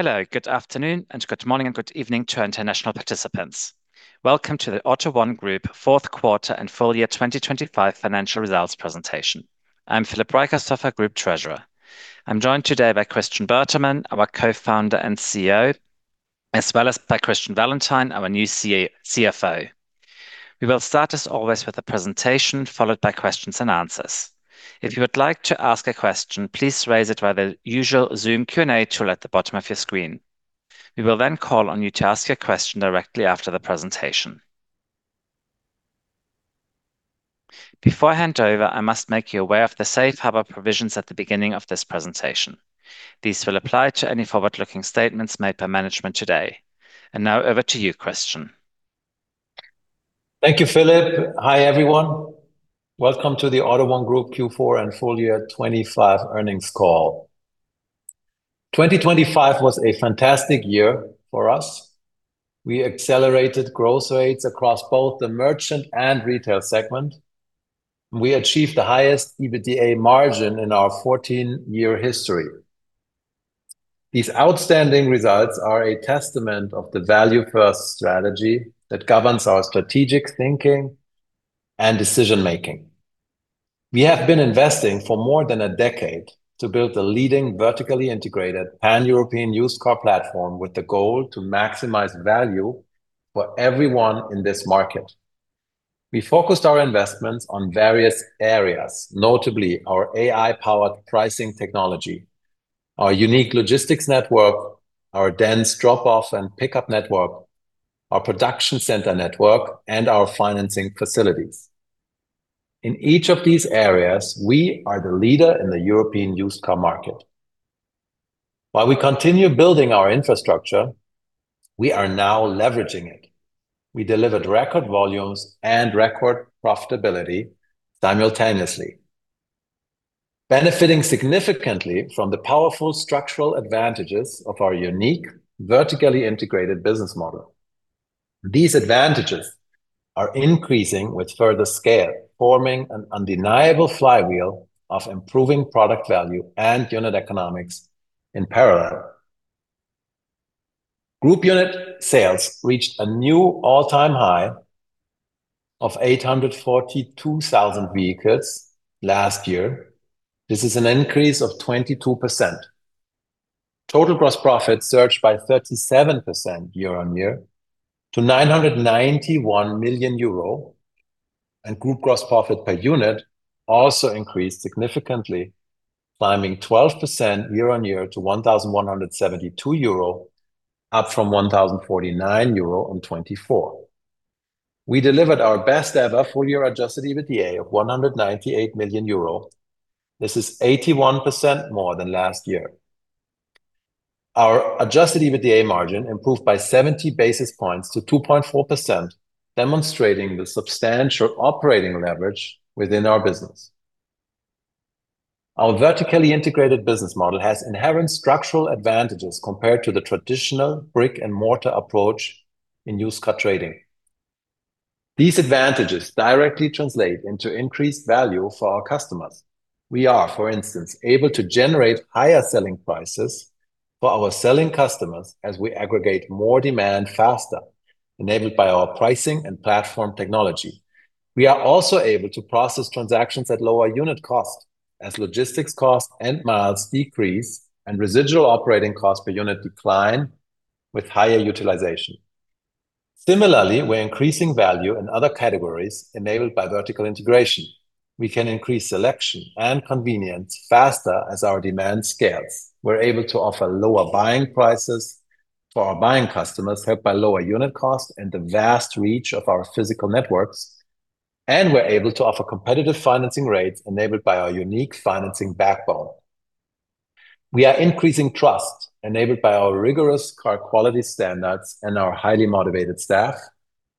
Hello, good afternoon, and good morning, and good evening to our international participants. Welcome to the AUTO1 Group Fourth Quarter and Full Year 2025 Financial Results Presentation. I'm Philip Reicherstorfer, Group Treasurer. I'm joined today by Christian Bertermann, our co-founder and CEO, as well as by Christian Wallentin, our new CFO. We will start, as always, with a presentation, followed by questions and answers. If you would like to ask a question, please raise it by the usual Zoom Q&A tool at the bottom of your screen. We will then call on you to ask your question directly after the presentation. Before I hand over, I must make you aware of the safe harbor provisions at the beginning of this presentation. These will apply to any forward-looking statements made by management today. Now over to you, Christian. Thank you, Philip. Hi, everyone. Welcome to the AUTO1 Group Q4 and fullFull Year 2025 Earnings Call. 2025 was a fantastic year for us. We accelerated growth rates across both the merchant and retail segment. We achieved the highest EBITDA margin in our 14-year history. These outstanding results are a testament of the value-first strategy that governs our strategic thinking and decision making. We have been investing for more than a decade to build the leading vertically integrated pan-European used car platform with the goal to maximize value for everyone in this market. We focused our investments on various areas, notably our AI-powered pricing technology, our unique logistics network, our dense drop-off and pickup network, our production center network, and our financing facilities. In each of these areas, we are the leader in the European used car market. While we continue building our infrastructure, we are now leveraging it. We delivered record volumes and record profitability simultaneously, benefiting significantly from the powerful structural advantages of our unique, vertically integrated business model. These advantages are increasing with further scale, forming an undeniable flywheel of improving product value and unit economics in parallel. Group unit sales reached a new all-time high of 842,000 vehicles last year. This is an increase of 22%. Total gross profit surged by 37% year-on-year to 991 million euro, and group gross profit per unit also increased significantly, climbing 12% year on year to 1,172 euro, up from 1,049 euro in 2024. We delivered our best ever full-year adjusted EBITDA of 198 million euro. This is 81% more than last year. Our adjusted EBITDA margin improved by 70 basis points to 2.4%, demonstrating the substantial operating leverage within our business. Our vertically integrated business model has inherent structural advantages compared to the traditional brick-and-mortar approach in used car trading. These advantages directly translate into increased value for our customers. We are, for instance, able to generate higher selling prices for our selling customers as we aggregate more demand faster, enabled by our pricing and platform technology. We are also able to process transactions at lower unit cost as logistics costs and miles decrease and residual operating costs per unit decline with higher utilization. We're increasing value in other categories enabled by vertical integration. We can increase selection and convenience faster as our demand scales. We're able to offer lower buying prices for our buying customers, helped by lower unit cost and the vast reach of our physical networks. We're able to offer competitive financing rates enabled by our unique financing backbone. We are increasing trust enabled by our rigorous car quality standards and our highly motivated staff.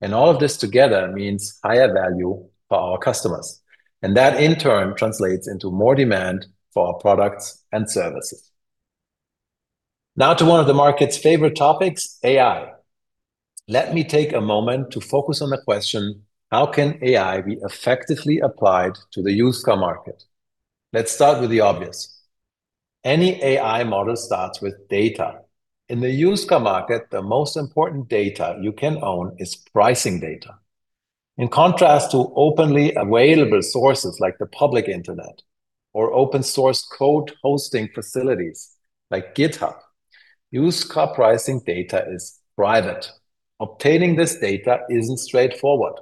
All of this together means higher value for our customers. That in turn translates into more demand for our products and services. Now to one of the market's favorite topics, AI. Let me take a moment to focus on the question: How can AI be effectively applied to the used car market? Let's start with the obvious. Any AI model starts with data. In the used car market, the most important data you can own is pricing data. In contrast to openly available sources like the public Internet or open source code hosting facilities like GitHub, used car pricing data is private. Obtaining this data isn't straightforward.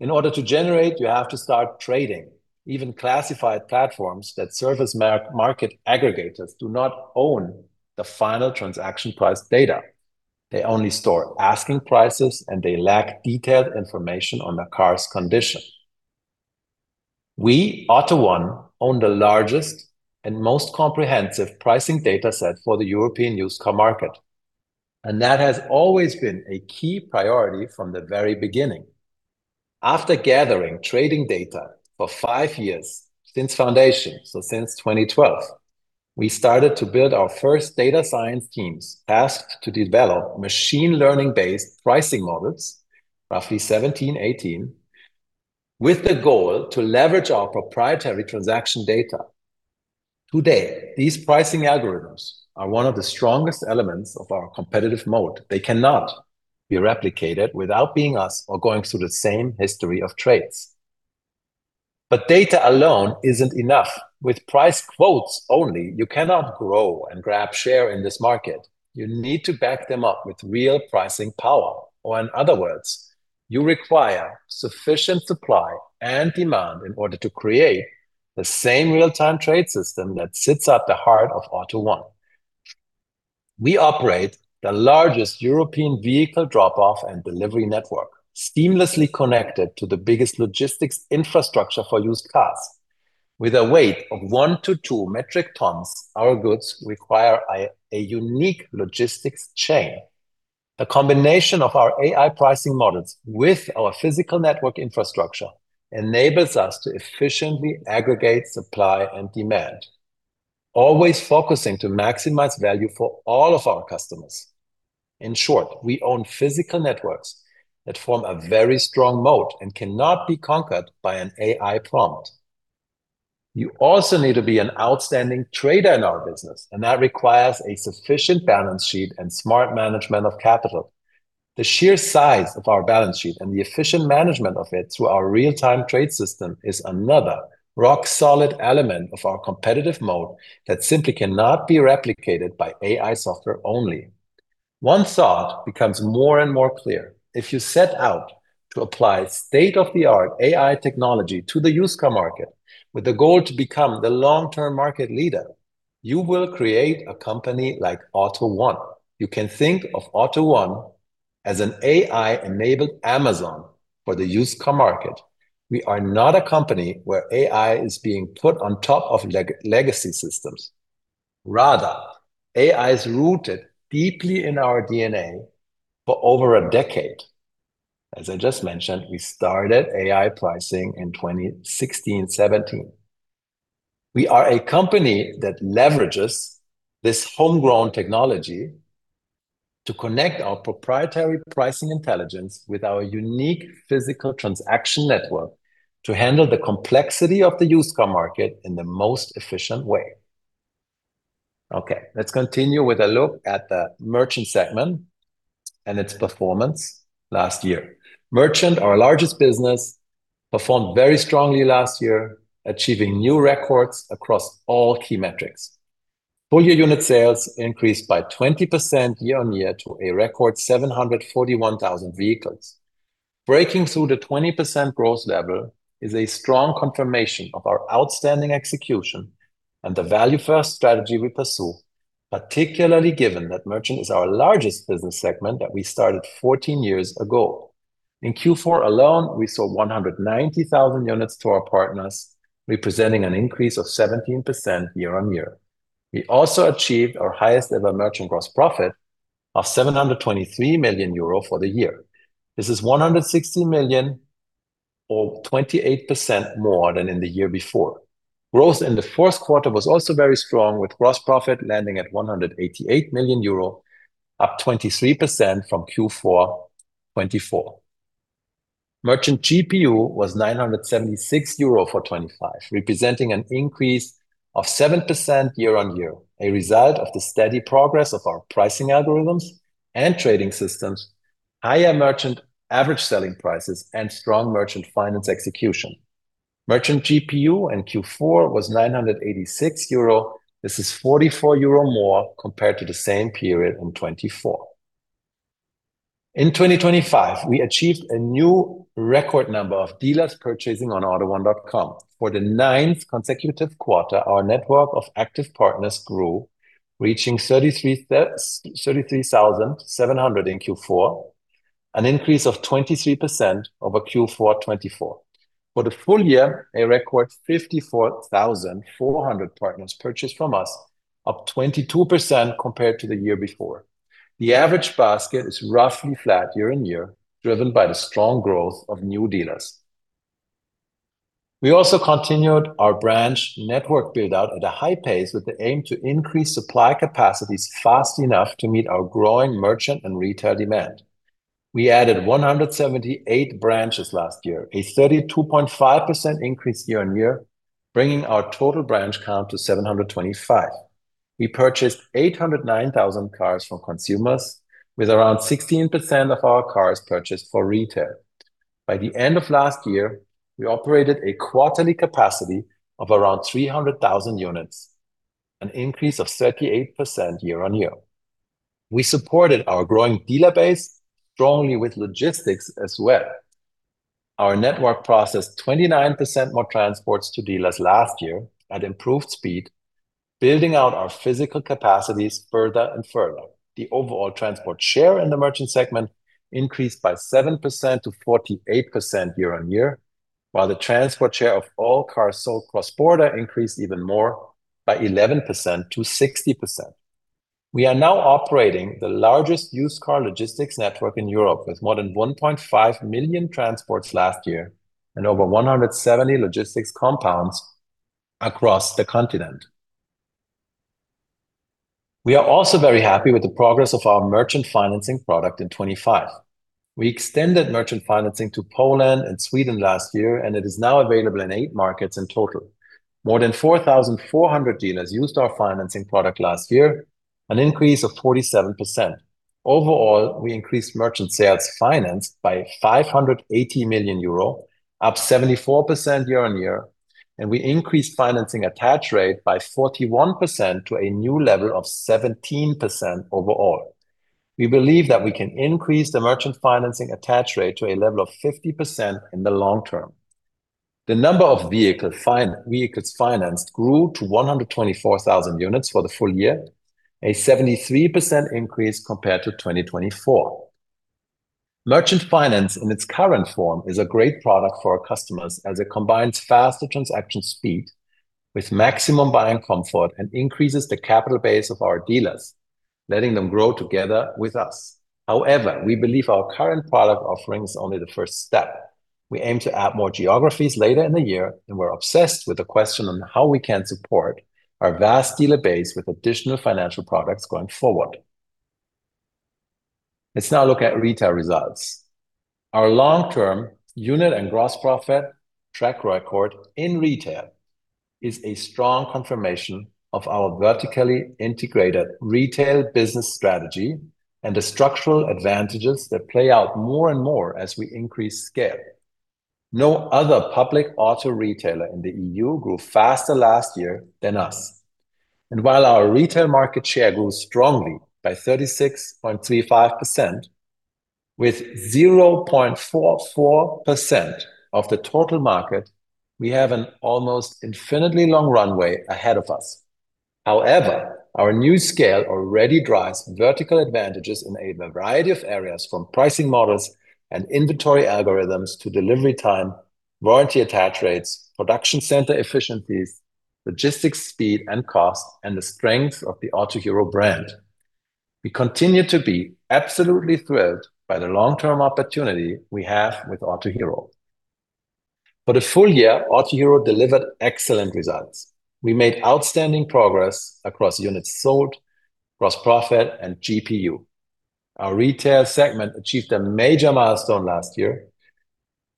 In order to generate, you have to start trading. Even classified platforms that serve as market aggregators do not own the final transaction price data. They only store asking prices, and they lack detailed information on the car's condition. We, AUTO1, own the largest and most comprehensive pricing data set for the European used car market, and that has always been a key priority from the very beginning. After gathering trading data for five years since foundation, so since 2012, we started to build our first data science teams, tasked to develop machine learning-based pricing models, roughly 2017, 2018. With the goal to leverage our proprietary transaction data. Today, these pricing algorithms are one of the strongest elements of our competitive mode. They cannot be replicated without being us or going through the same history of trades. Data alone isn't enough. With price quotes only, you cannot grow and grab share in this market. You need to back them up with real pricing power, or in other words, you require sufficient supply and demand in order to create the same real-time trade system that sits at the heart of AUTO1. We operate the largest European vehicle drop-off and delivery network, seamlessly connected to the biggest logistics infrastructure for used cars. With a weight of one to two metric tons, our goods require a unique logistics chain. The combination of our AI pricing models with our physical network infrastructure enables us to efficiently aggregate supply and demand, always focusing to maximize value for all of our customers. In short, we own physical networks that form a very strong moat and cannot be conquered by an AI prompt. That requires a sufficient balance sheet and smart management of capital. The sheer size of our balance sheet and the efficient management of it through our real-time trade system is another rock-solid element of our competitive moat that simply cannot be replicated by AI software only. One thought becomes more and more clear: if you set out to apply state-of-the-art AI technology to the used car market, with the goal to become the long-term market leader, you will create a company like AUTO1. You can think of AUTO1 as an AI-enabled Amazon for the used car market. We are not a company where AI is being put on top of legacy systems. Rather, AI is rooted deeply in our DNA for over a decade. As I just mentioned, we started AI pricing in 2016, 2017. We are a company that leverages this homegrown technology to connect our proprietary pricing intelligence with our unique physical transaction network to handle the complexity of the used car market in the most efficient way. Let's continue with a look at the Merchant segment and its performance last year. Merchant, our largest business, performed very strongly last year, achieving new records across all key metrics. Full year unit sales increased by 20% year-on-year to a record 741,000 vehicles. Breaking through the 20% growth level is a strong confirmation of our outstanding execution and the value-first strategy we pursue, particularly given that Merchant is our largest business segment that we started 14 years ago. In Q4 alone, we sold 190,000 units to our partners, representing an increase of 17% year-on-year. We also achieved our highest ever merchant gross profit of 723 million euro for the year. This is 160 million, or 28% more than in the year before. Growth in the fourth quarter was also very strong, with gross profit landing at 188 million euro, up 23% from Q4 2024. Merchant GPU was 976 euro for 2025, representing an increase of 7% year-on-year, a result of the steady progress of our pricing algorithms and trading systems, higher merchant average selling prices, and strong merchant finance execution. Merchant GPU in Q4 was 986 euro. This is 44 euro more compared to the same period in 2024. In 2025, we achieved a new record number of dealers purchasing on AUTO1.com. For the ninth consecutive quarter, our network of active partners grew, reaching 33,700 in Q4, an increase of 23% over Q4 2024. For the full year, a record 54,400 partners purchased from us, up 22% compared to the year before. The average basket is roughly flat year-on-year, driven by the strong growth of new dealers. We also continued our branch network build-out at a high pace with the aim to increase supply capacities fast enough to meet our growing merchant and retail demand. We added 178 branches last year, a 32.5% increase year-on-year, bringing our total branch count to 725. We purchased 809,000 cars from consumers, with around 16% of our cars purchased for retail. By the end of last year, we operated a quarterly capacity of around 300,000 units, an increase of 38% year-on-year. We supported our growing dealer base strongly with logistics as well. Our network processed 29% more transports to dealers last year at improved speed, building out our physical capacities further and further. The overall transport share in the merchant segment increased by 7% to 48% year-on-year, while the transport share of all cars sold cross-border increased even more by 11% to 60%. We are now operating the largest used car logistics network in Europe, with more than 1.5 million transports last year and over 170 logistics compounds across the continent. We are also very happy with the progress of our merchant financing product in 2025. We extended merchant financing to Poland and Sweden last year. It is now available in eight markets in total. More than 4,400 dealers used our financing product last year, an increase of 47%. Overall, we increased merchant sales financed by 580 million euro, up 74% year-on-year, and we increased financing attach rate by 41% to a new level of 17% overall. We believe that we can increase the merchant financing attach rate to a level of 50% in the long term. The number of vehicles financed grew to 124,000 units for the full year, a 73% increase compared to 2024. Merchant finance, in its current form, is a great product for our customers as it combines faster transaction speed with maximum buying comfort and increases the capital base of our dealers, letting them grow together with us. However, we believe our current product offering is only the first step. We aim to add more geographies later in the year, and we're obsessed with the question on how we can support our vast dealer base with additional financial products going forward. Let's now look at retail results. Our long-term unit and gross profit track record in retail is a strong confirmation of our vertically integrated retail business strategy and the structural advantages that play out more and more as we increase scale. No other public auto retailer in the E.U. grew faster last year than us, and while our retail market share grew strongly by 36.35%, with 0.44% of the total market, we have an almost infinitely long runway ahead of us. However, our new scale already drives vertical advantages in a variety of areas, from pricing models and inventory algorithms to delivery time, warranty attach rates, production center efficiencies, logistics, speed, and cost, and the strength of the Autohero brand. We continue to be absolutely thrilled by the long-term opportunity we have with Autohero. For the full year, Autohero delivered excellent results. We made outstanding progress across units sold, gross profit, and GPU. Our Retail segment achieved a major milestone last year,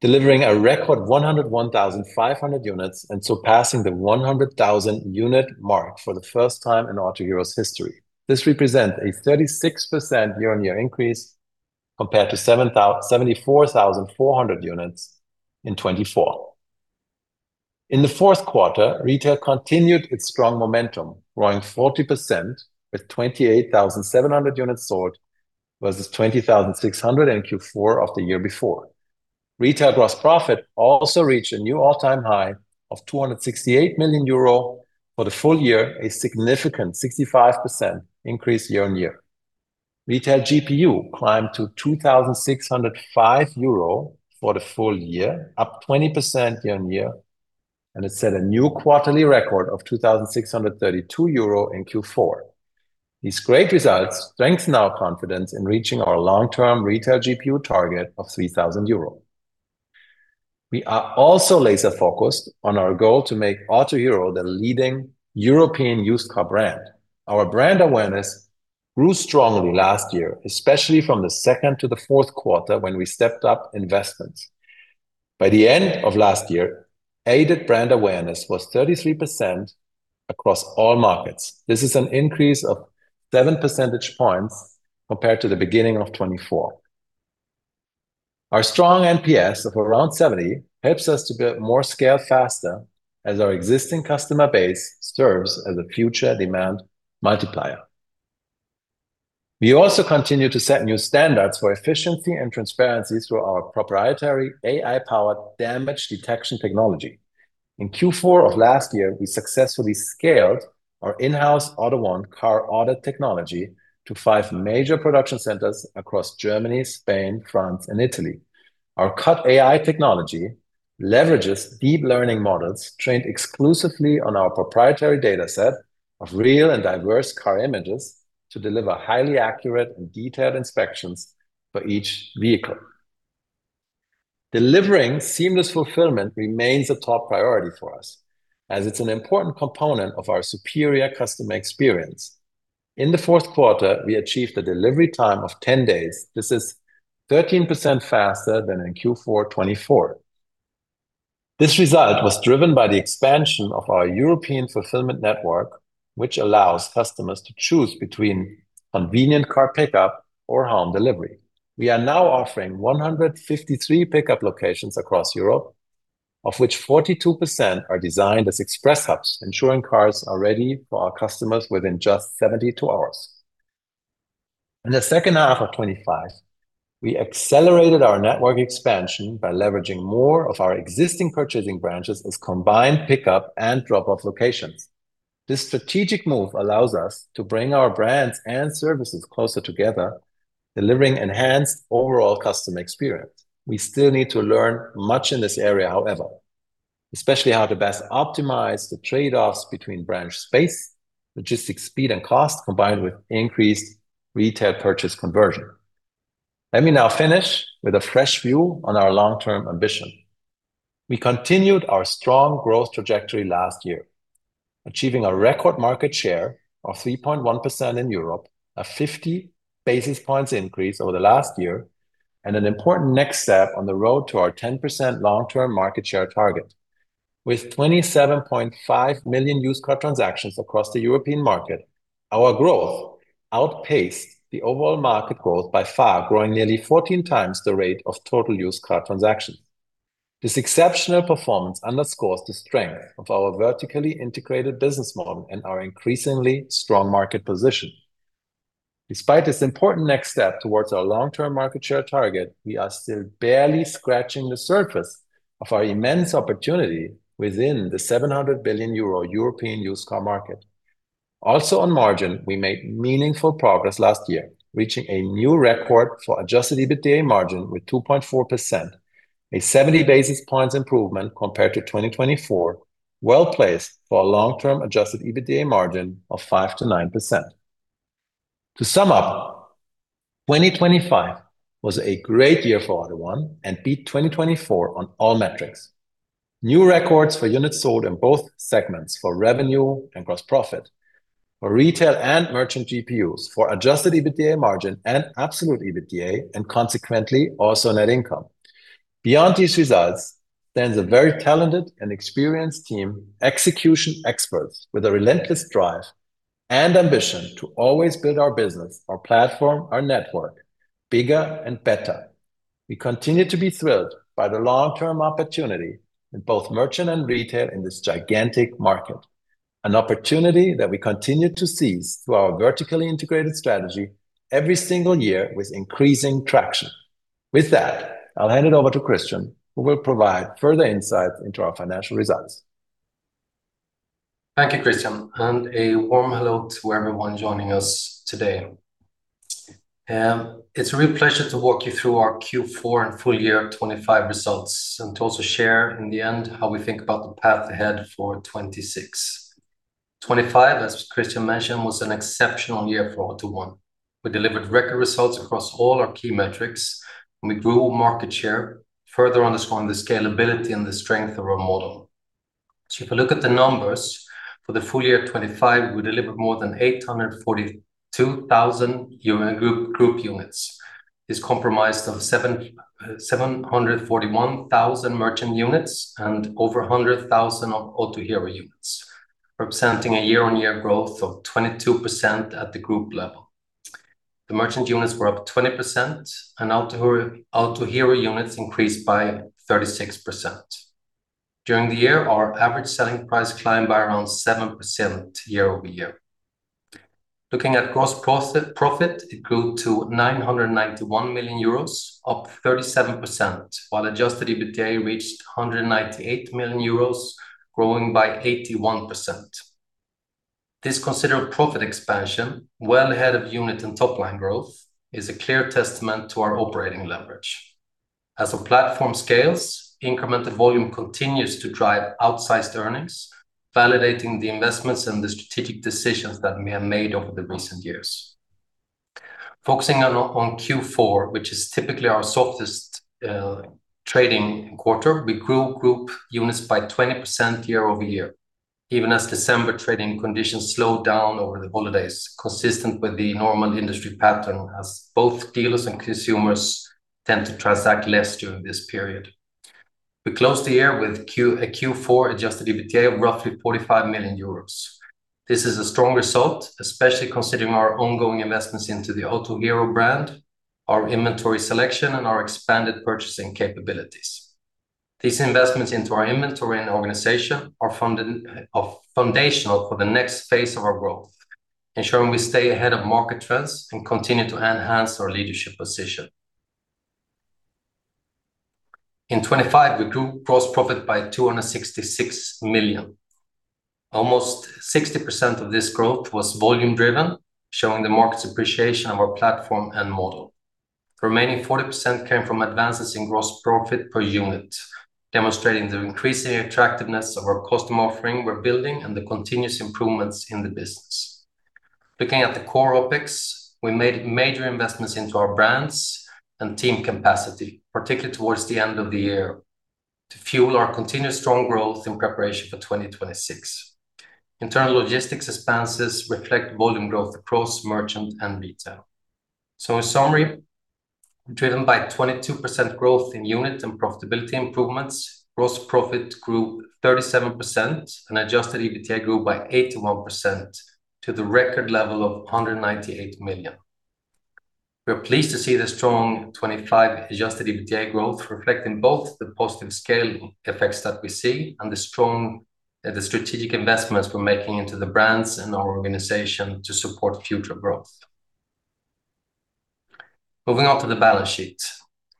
delivering a record 101,500 units and surpassing the 100,000 unit mark for the first time in Autohero's history. This represents a 36% year-on-year increase compared to 74,400 units in 2024. In the fourth quarter, Retail continued its strong momentum, growing 40% with 28,700 units sold, versus 20,600 in Q4 of the year before. Retail gross profit also reached a new all-time high of 268 million euro for the full year, a significant 65% increase year-on-year. Retail GPU climbed to 2,605 euro for the full year, up 20% year-on-year, and it set a new quarterly record of 2,632 euro in Q4. These great results strengthen our confidence in reaching our long-term retail GPU target of 3,000 euros. We are also laser-focused on our goal to make Autohero the leading European used car brand. Our brand awareness grew strongly last year, especially from the second to the fourth quarter, when we stepped up investments. By the end of last year, aided brand awareness was 33% across all markets. This is an increase of seven percentage points compared to the beginning of 2024. Our strong NPS of around 70 helps us to build more scale faster, as our existing customer base serves as a future demand multiplier. We also continue to set new standards for efficiency and transparency through our proprietary AI-powered damage detection technology. In Q4 of last year, we successfully scaled our in-house AUTO1 Car Audit Technology to five major production centers across Germany, Spain, France, and Italy. Our AUTO1 CAT technology leverages deep learning models trained exclusively on our proprietary dataset of real and diverse car images to deliver highly accurate and detailed inspections for each vehicle. Delivering seamless fulfillment remains a top priority for us, as it's an important component of our superior customer experience. In the fourth quarter, we achieved a delivery time of 10 days. This is 13% faster than in Q4 2024. This result was driven by the expansion of our European fulfillment network, which allows customers to choose between convenient car pickup or home delivery. We are now offering 153 pickup locations across Europe, of which 42% are designed as express hubs, ensuring cars are ready for our customers within just 72 hours. In the second half of 2025, we accelerated our network expansion by leveraging more of our existing purchasing branches as combined pickup and drop-off locations. This strategic move allows us to bring our brands and services closer together, delivering enhanced overall customer experience. We still need to learn much in this area, however, especially how to best optimize the trade-offs between branch space, logistics, speed, and cost, combined with increased retail purchase conversion. Let me now finish with a fresh view on our long-term ambition. We continued our strong growth trajectory last year, achieving a record market share of 3.1% in Europe, a 50 basis points increase over the last year, and an important next step on the road to our 10% long-term market share target. With 27.5 million used car transactions across the European market, our growth outpaced the overall market growth by far, growing nearly 14 times the rate of total used car transactions. This exceptional performance underscores the strength of our vertically integrated business model and our increasingly strong market position. Despite this important next step towards our long-term market share target, we are still barely scratching the surface of our immense opportunity within the 700 billion euro European used car market. On margin, we made meaningful progress last year, reaching a new record for adjusted EBITDA margin with 2.4%, a 70 basis points improvement compared to 2024, well-placed for a long-term adjusted EBITDA margin of 5%-9%. To sum up, 2025 was a great year for AUTO1 and beat 2024 on all metrics. New records for units sold in both segments, for revenue and gross profit, for Retail and Merchant GPUs, for adjusted EBITDA margin and absolute EBITDA, consequently, also net income. Beyond these results, stands a very talented and experienced team, execution experts with a relentless drive and ambition to always build our business, our platform, our network, bigger and better. We continue to be thrilled by the long-term opportunity in both merchant and retail in this gigantic market, an opportunity that we continue to seize through our vertically integrated strategy every single year with increasing traction. With that, I'll hand it over to Christian, who will provide further insights into our financial results. Thank you, Christian. A warm hello to everyone joining us today. It's a real pleasure to walk you through our Q4 and full year 2025 results. To also share in the end, how we think about the path ahead for 2026. 2025, as Christian mentioned, was an exceptional year for AUTO1. We delivered record results across all our key metrics, and we grew market share, further underscoring the scalability and the strength of our model. If you look at the numbers, for the full year 2025, we delivered more than 842,000 group units. It's compromised of 741,000 Merchant units and over 100,000 of Autohero units, representing a year-on-year growth of 22% at the group level. The Merchant units were up 20%, and Autohero units increased by 36%. During the year, our average selling price climbed by around 7% year-over-year. Looking at gross profit, it grew to 991 million euros, up 37%, while adjusted EBITDA reached 198 million euros, growing by 81%. This considerable profit expansion, well ahead of unit and top-line growth, is a clear testament to our operating leverage. As our platform scales, incremental volume continues to drive outsized earnings, validating the investments and the strategic decisions that we have made over the recent years. Focusing on Q4, which is typically our softest trading quarter, we grew group units by 20% year-over-year, even as December trading conditions slowed down over the holidays, consistent with the normal industry pattern, as both dealers and consumers tend to transact less during this period. We closed the year with a Q4 adjusted EBITDA of roughly 45 million euros. This is a strong result, especially considering our ongoing investments into the Autohero brand, our inventory selection, and our expanded purchasing capabilities. These investments into our inventory and organization are foundational for the next phase of our growth, ensuring we stay ahead of market trends and continue to enhance our leadership position. In 2025, we grew gross profit by 266 million. Almost 60% of this growth was volume-driven, showing the market's appreciation of our platform and model. The remaining 40% came from advances in gross profit per unit, demonstrating the increasing attractiveness of our customer offering we're building and the continuous improvements in the business. Looking at the core OpEx, we made major investments into our brands and team capacity, particularly towards the end of the year, to fuel our continuous strong growth in preparation for 2026. Internal logistics expenses reflect volume growth across Merchant and Retail. In summary, driven by 22% growth in unit and profitability improvements, gross profit grew 37%, and adjusted EBITDA grew by 81% to the record level of 198 million. We are pleased to see the strong 25 adjusted EBITDA growth, reflecting both the positive scaling effects that we see and the strong, the strategic investments we're making into the brands and our organization to support future growth. Moving on to the balance sheet.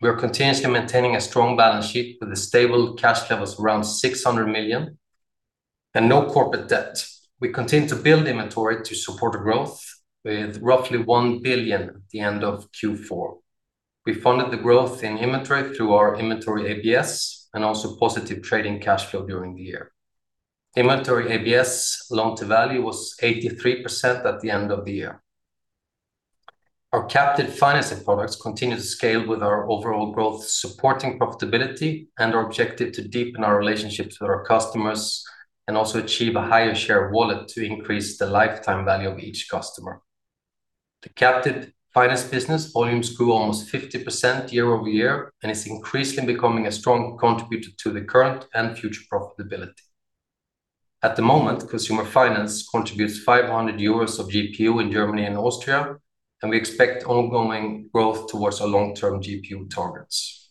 We are continuously maintaining a strong balance sheet with stable cash levels around 600 million and no corporate debt. We continue to build inventory to support growth with roughly 1 billion at the end of Q4. We funded the growth in inventory through our inventory ABS and also positive trading cash flow during the year. The inventory ABS Loan-to-Value was 83% at the end of the year. Our captive financing products continued to scale with our overall growth, supporting profitability and our objective to deepen our relationships with our customers and also achieve a higher share of wallet to increase the lifetime value of each customer. The captive finance business volumes grew almost 50% year-over-year, and is increasingly becoming a strong contributor to the current and future profitability. At the moment, consumer finance contributes 500 euros of GPU in Germany and Austria, and we expect ongoing growth towards our long-term GPU targets.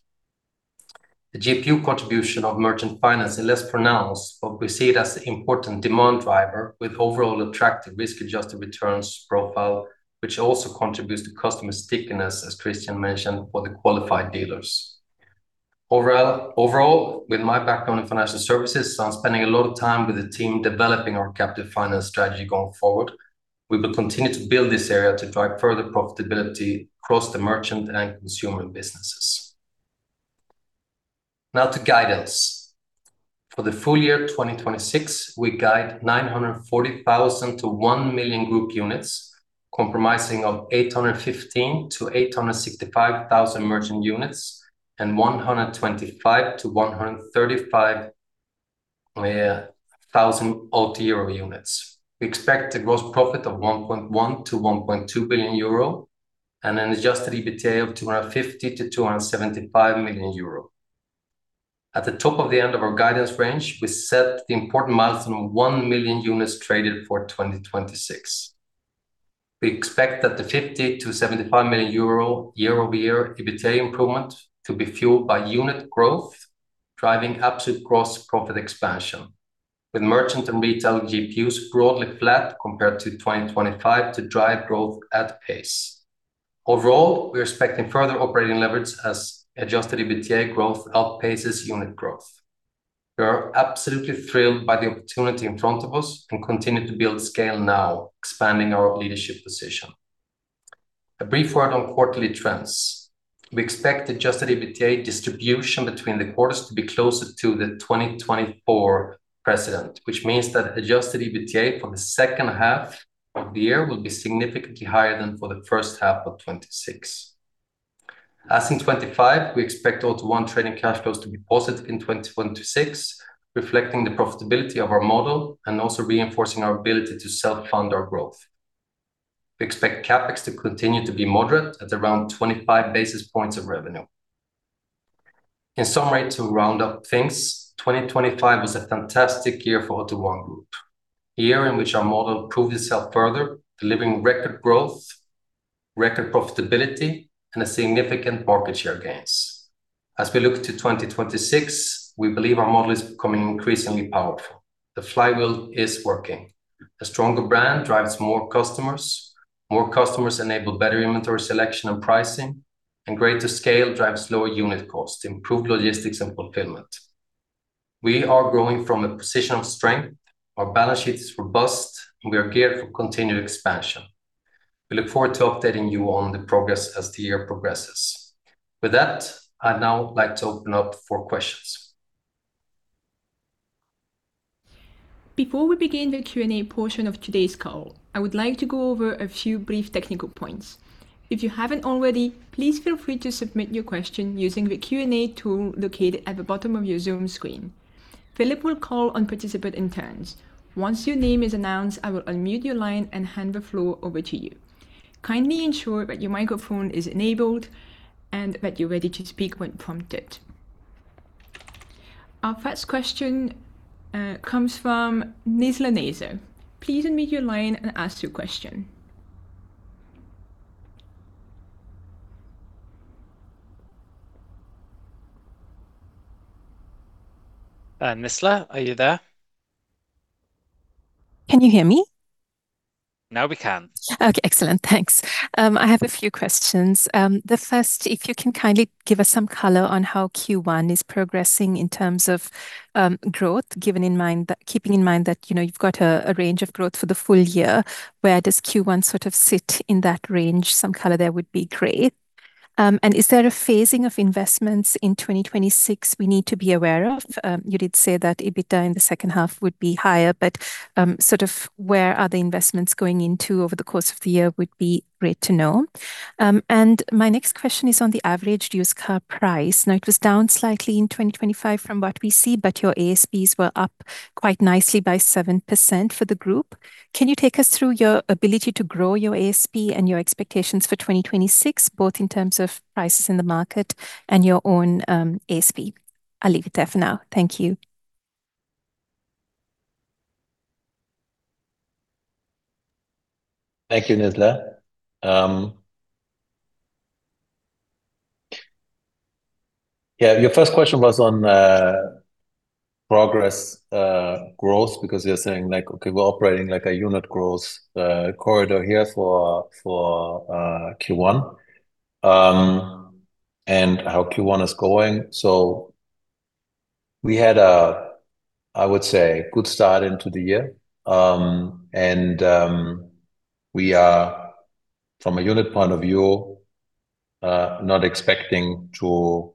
The GPU contribution of merchant finance is less pronounced, but we see it as an important demand driver with overall attractive risk-adjusted returns profile, which also contributes to customer stickiness, as Christian mentioned, for the qualified dealers. Overall, with my background in financial services, I'm spending a lot of time with the team developing our captive finance strategy going forward. We will continue to build this area to drive further profitability across the merchant and consumer businesses. Now to guidance. For the full year 2026, we guide 940,000 to one million group units, comprising of 815,000–865,000 Merchant units and 125,000–135,000 Autohero units. We expect a gross profit of 1.1 billion-1.2 billion euro, and an adjusted EBITDA of 250 million-275 million euro. At the top of the end of our guidance range, we set the important milestone of one million units traded for 2026. We expect that the 50 million-75 million euro year-over-year EBITDA improvement to be fueled by unit growth, driving absolute gross profit expansion, with Merchant and Retail GPUs broadly flat compared to 2025 to drive growth at pace. Overall, we're expecting further operating leverage as adjusted EBITDA growth outpaces unit growth. We are absolutely thrilled by the opportunity in front of us and continue to build scale now, expanding our leadership position. A brief word on quarterly trends. We expect adjusted EBITDA distribution between the quarters to be closer to the 2024 precedent, which means that adjusted EBITDA for the second half of the year will be significantly higher than for the first half of 2026. As in 2025, we expect AUTO1 trading cash flows to be positive in 2026, reflecting the profitability of our model and also reinforcing our ability to self-fund our growth. We expect CapEx to continue to be moderate at around 25 basis points of revenue. In summary, to round up things, 2025 was a fantastic year for AUTO1 Group. A year in which our model proved itself further, delivering record growth, record profitability, and a significant market share gains. As we look to 2026, we believe our model is becoming increasingly powerful. The flywheel is working. A stronger brand drives more customers. More customers enable better inventory selection and pricing, and greater scale drives lower unit cost, improved logistics, and fulfillment. We are growing from a position of strength, our balance sheet is robust, and we are geared for continued expansion. We look forward to updating you on the progress as the year progresses. With that, I'd now like to open up for questions. Before we begin the Q&A portion of today's call, I would like to go over a few brief technical points. If you haven't already, please feel free to submit your question using the Q&A tool located at the bottom of your Zoom screen. Philip will call on participant in turns. Once your name is announced, I will unmute your line and hand the floor over to you. Kindly ensure that your microphone is enabled and that you're ready to speak when prompted. Our first question comes from Nizla Naizer. Please unmute your line and ask your question. Nizla, are you there? Can you hear me? Now we can. Okay, excellent. Thanks. I have a few questions. The first, if you can kindly give us some color on how Q1 is progressing in terms of growth, keeping in mind that, you know, you've got a range of growth for the full year, where does Q1 sort of sit in that range? Some color there would be great. Is there a phasing of investments in 2026 we need to be aware of? You did say that EBITDA in the second half would be higher, but sort of where are the investments going into over the course of the year would be great to know. My next question is on the average used car price. It was down slightly in 2025 from what we see, but your ASPs were up quite nicely by 7% for the group. Can you take us through your ability to grow your ASP and your expectations for 2026, both in terms of prices in the market and your own ASP? I'll leave it there for now. Thank you. Thank you, Nizla. Yeah, your first question was on progress growth, because you're saying like, okay, we're operating like a unit growth corridor here for Q1. And how Q1 is going. We had a, I would say, good start into the year. And we are, from a unit point of view not expecting to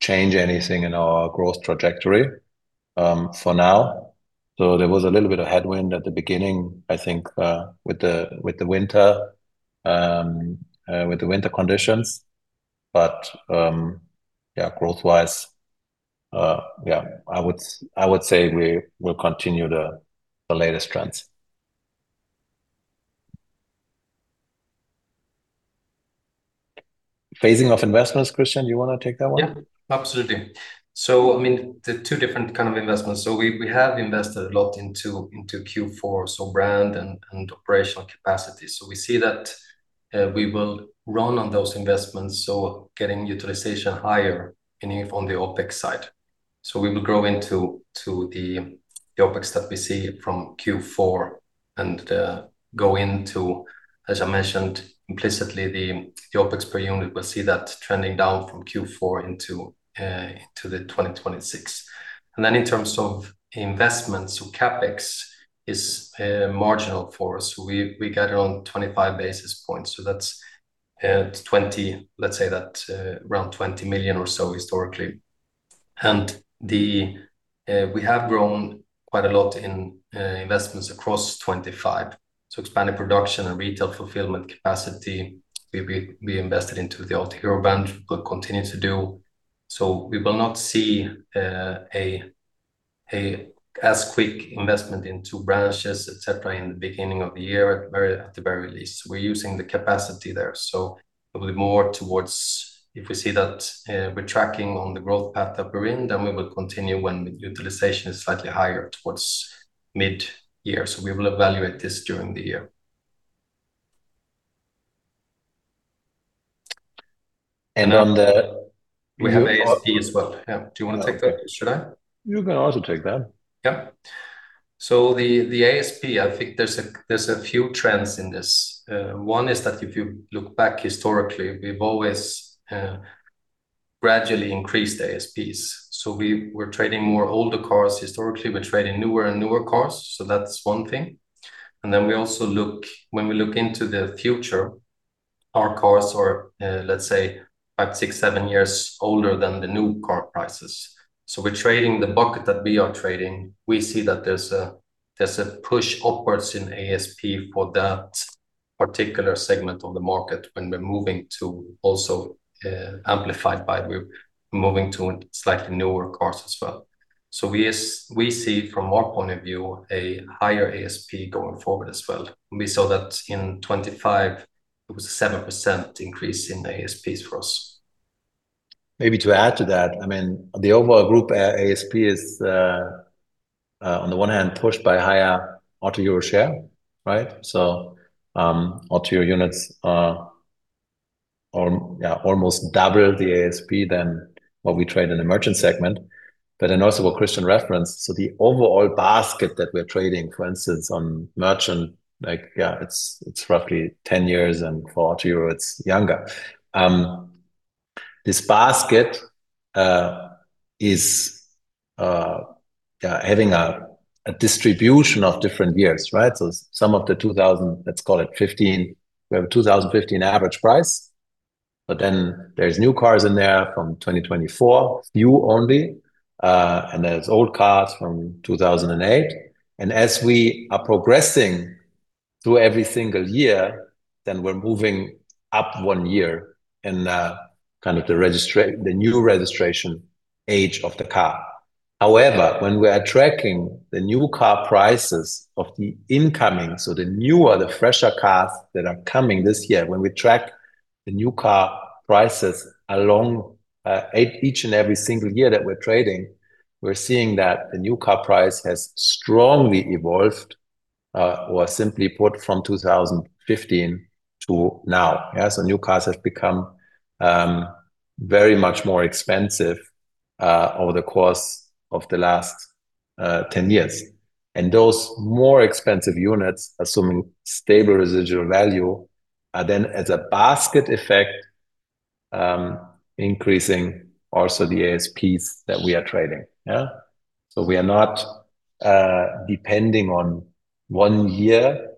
change anything in our growth trajectory, for now. There was a little bit of headwind at the beginning, I think, with the winter conditions. Yeah, growth-wise, I would say we will continue the latest trends. Phasing of investments, Christian, do you want to take that one? Yeah, absolutely. I mean, the two different kind of investments. We have invested a lot into Q4, brand and operational capacity. We see that we will run on those investments, getting utilization higher in if on the OpEx side. We will grow into the OpEx that we see from Q4 and go into, as I mentioned, implicitly, the OpEx per unit, we'll see that trending down from Q4 into 2026. Then in terms of investments, CapEx is marginal for us. We got around 25 basis points, that's let's say that around 20 million or so historically. We have grown quite a lot in investments across 2025. Expanded production and retail fulfillment capacity, we invested into the Autohero brand, will continue to do. We will not see as quick investment into branches, et cetera, in the beginning of the year, at the very least. We're using the capacity there, so it will be more towards if we see that we're tracking on the growth path that we're in, then we will continue when utilization is slightly higher towards mid-year. We will evaluate this during the year. And on the. We have ASP as well. Yeah. Do you want to take that? Should I? You can also take that. Yeah. The ASP, I think there's a few trends in this. One is that if you look back historically, we've always gradually increased ASPs. We're trading more older cars. Historically, we're trading newer and newer cars, so that's one thing. When we look into the future, our cars are, let's say, five, six, seven years older than the new car prices. We're trading the bucket that we are trading. We see that there's a push upwards in ASP for that particular segment of the market when we're moving to also, amplified by we're moving to slightly newer cars as well. We see from our point of view, a higher ASP going forward as well. We saw that in 2025, it was a 7% increase in the ASPs for us. To add to that, I mean, the overall group ASP is on the one hand, pushed by higher Autohero share, right? Autohero units are, yeah, almost double the ASP than what we trade in the Merchant segment. Also what Christian referenced, the overall basket that we're trading, for instance, on Merchant, like, yeah, it's roughly 10 years, and for Autohero, it's younger. This basket is, yeah, having a distribution of different years, right? Some of the 2000, let's call it 15, we have 2015 average price, there's new cars in there from 2024, new only, and there's old cars from 2008. As we are progressing through every single year, then we're moving up one year in, kind of the new registration age of the car. However, when we are tracking the new car prices of the incoming, so the newer, the fresher cars that are coming this year, when we track the new car prices along, each and every single year that we're trading, we're seeing that the new car price has strongly evolved, or simply put, from 2015 to now. New cars have become very much more expensive over the course of the last 10 years. Those more expensive units, assuming stable residual value, are then, as a basket effect, increasing also the ASPs that we are trading. Yeah? We are not depending on one year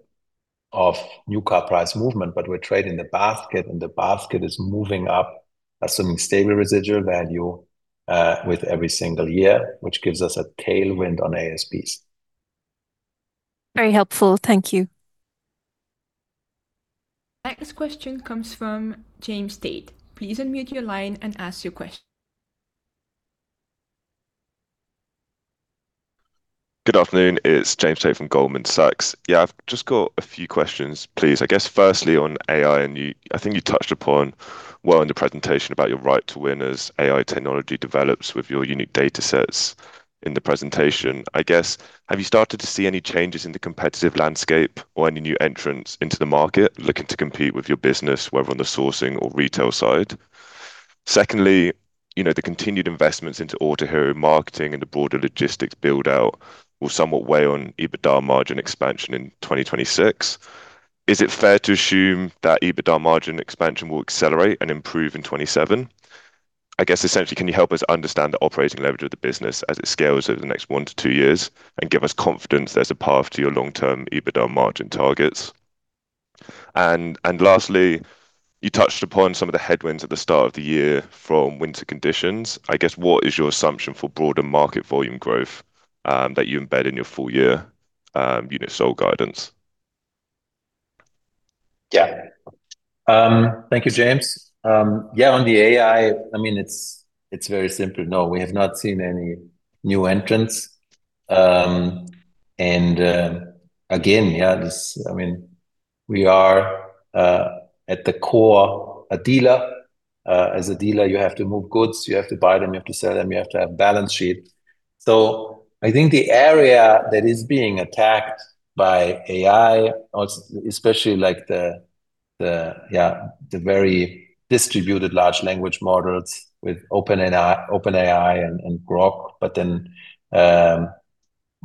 of new car price movement, but we're trading the basket, and the basket is moving up, assuming stable residual value with every single year, which gives us a tailwind on ASPs. Very helpful. Thank you. Next question comes from James Tate. Please unmute your line and ask your question. Good afternoon. It's James Tate from Goldman Sachs. Yeah, I've just got a few questions, please. I guess, firstly, on AI, I think you touched upon well in the presentation about your right to win as AI technology develops with your unique datasets in the presentation. I guess, have you started to see any changes in the competitive landscape or any new entrants into the market looking to compete with your business, whether on the sourcing or retail side? Secondly, you know, the continued investments into Autohero marketing and the broader logistics build-out will somewhat weigh on EBITDA margin expansion in 2026. Is it fair to assume that EBITDA margin expansion will accelerate and improve in 2027? I guess essentially, can you help us understand the operating leverage of the business as it scales over the next one to two years and give us confidence there's a path to your long-term EBITDA margin targets? Lastly, you touched upon some of the headwinds at the start of the year from winter conditions. I guess, what is your assumption for broader market volume growth that you embed in your full year unit sold guidance? Yeah. Thank you, James. Yeah, on the AI, I mean, it's very simple. No, we have not seen any new entrants. Again, yeah, this I mean, we are at the core, a dealer. As a dealer, you have to move goods, you have to buy them, you have to sell them, you have to have balance sheet. I think the area that is being attacked by AI, or especially like the very distributed large language models with OpenAI and Grok,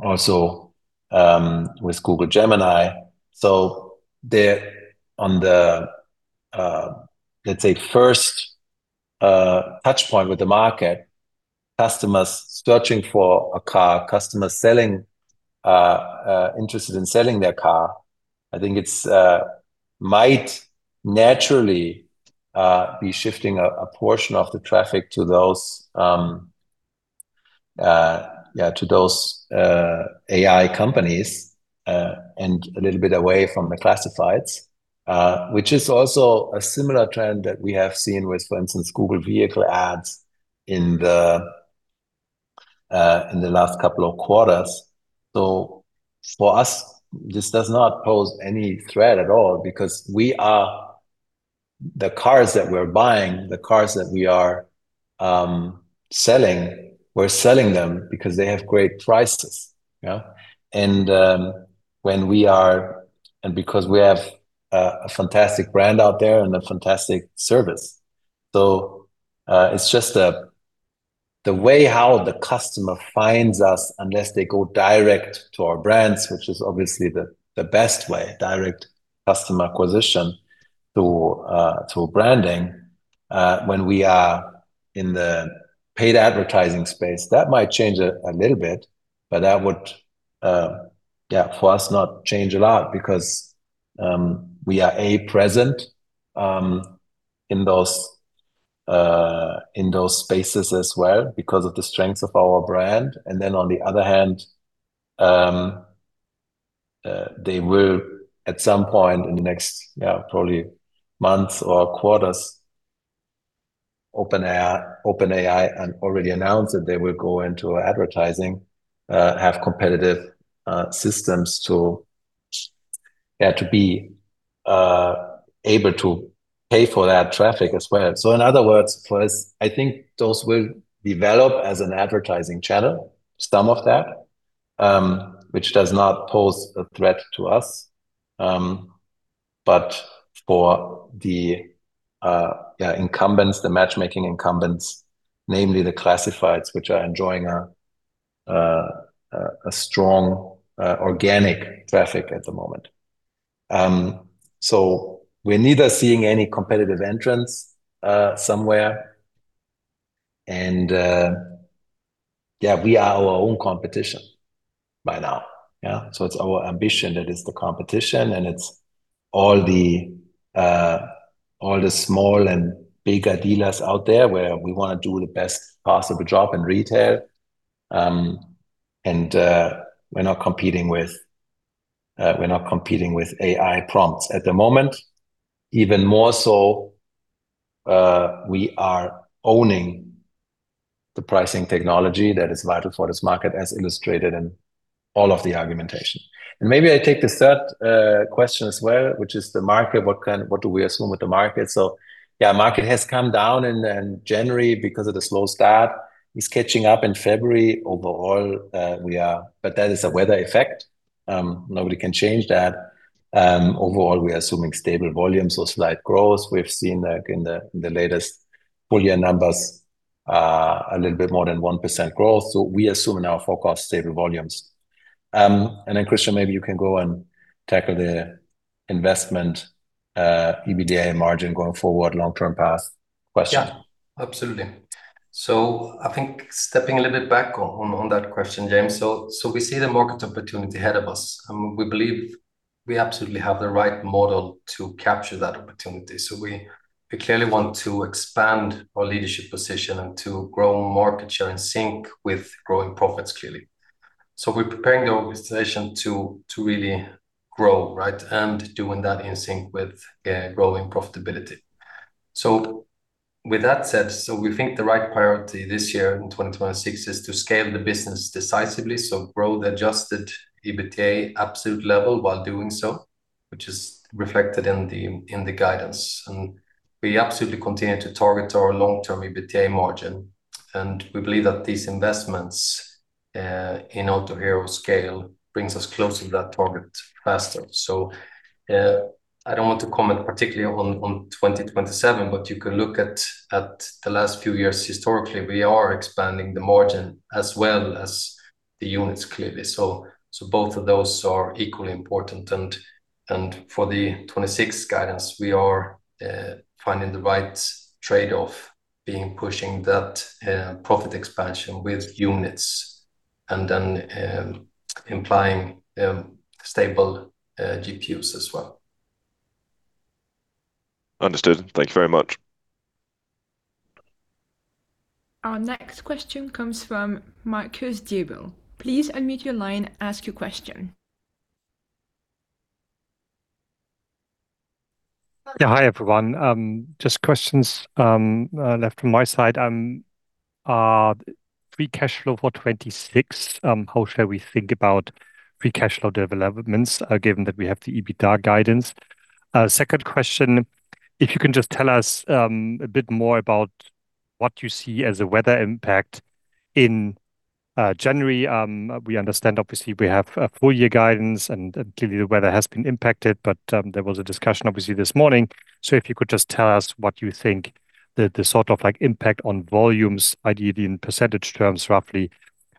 also with Google Gemini. They're on the, let's say, first touch point with the market, customers searching for a car, customers selling, interested in selling their car. I think it's might naturally be shifting a portion of the traffic to those to those AI companies and a little bit away from the classifieds. Which is also a similar trend that we have seen with, for instance, Google vehicle ads in the last couple of quarters. For us, this does not pose any threat at all because we are—the cars that we're buying, the cars that we are selling, we're selling them because they have great prices, yeah? Because we have a fantastic brand out there and a fantastic service. It's just the way how the customer finds us, unless they go direct to our brands, which is obviously the best way, direct customer acquisition through branding. When we are in the paid advertising space, that might change a little bit, but that would, for us, not change a lot because, we are, A, present in those spaces as well because of the strength of our brand. On the other hand, they will at some point in the next, probably months or quarters, OpenAI, and already announced that they will go into advertising, have competitive systems to be able to pay for that traffic as well. In other words, for us, I think those will develop as an advertising channel, some of that, which does not pose a threat to us, but for the incumbents, the matchmaking incumbents, namely the classifieds, which are enjoying a strong organic traffic at the moment. We're neither seeing any competitive entrants somewhere, and we are our own competition by now. It's our ambition that is the competition, and it's all the small and bigger dealers out there where we wanna do the best possible job in retail. We're not competing with AI prompts at the moment. Even more so, we are owning the pricing technology that is vital for this market, as illustrated in all of the argumentation. Maybe I take the third question as well, which is the market. What do we assume with the market? Yeah, market has come down in January because of the slow start. It's catching up in February. Overall, but that is a weather effect. Nobody can change that. Overall, we are assuming stable volumes or slight growth. We've seen, like in the latest full year numbers, a little bit more than 1% growth. We assume in our forecast, stable volumes. Christian, maybe you can go and tackle the investment, EBITDA margin going forward, long-term path question. Yeah, absolutely. I think stepping a little bit back on that question, James. We see the market opportunity ahead of us, and we believe we absolutely have the right model to capture that opportunity. We clearly want to expand our leadership position and to grow market share in sync with growing profits, clearly. We're preparing the organization to really grow, right? Doing that in sync with growing profitability. With that said, we think the right priority this year in 2026 is to scale the business decisively, so grow the adjusted EBITDA absolute level while doing so, which is reflected in the guidance. We absolutely continue to target our long-term EBITDA margin, and we believe that these investments in Autohero scale brings us closer to that target faster. I don't want to comment particularly on 2027, but you can look at the last few years. Historically, we are expanding the margin as well as the units, clearly. Both of those are equally important. For the 2026 guidance, we are finding the right trade-off, being pushing that profit expansion with units and then implying stable GPUs as well. Understood. Thank you very much. Our next question comes from Marcus Diebel. Please unmute your line, ask your question. Yeah, hi, everyone. Just questions left from my side. Free cash flow for 2026, how should we think about free cash flow developments, given that we have the EBITDA guidance? Second question, if you can just tell us a bit more about what you see as a weather impact in January. We understand, obviously, we have a full year guidance, and clearly, the weather has been impacted, but there was a discussion, obviously, this morning. If you could just tell us what you think the sort of like impact on volumes, ideally in percentage terms, roughly,